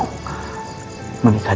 untuk memulai hidup baru